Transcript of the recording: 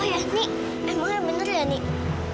oh ya nih emangnya bener ya nih